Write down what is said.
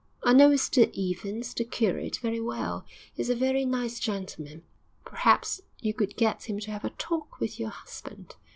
'I know Mr Evans, the curate, very well; he's a very nice gentleman.' 'Perhaps you could get him to have a talk with your husband.